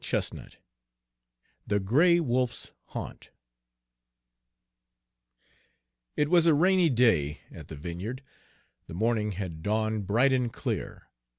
Page 162 THE GRAY WOLF'S HA'NT IT was a rainy day at the vineyard. The morning had dawned bright and clear.